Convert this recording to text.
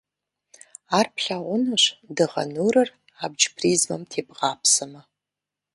Ар плъэгъунущ дыгъэ нурыр абдж призмэм тебгъапсэмэ.